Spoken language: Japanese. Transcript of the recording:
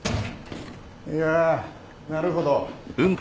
・いやなるほど。